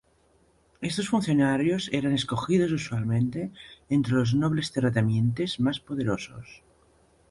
Estos funcionarios eran escogidos usualmente entre los nobles terratenientes más poderosos.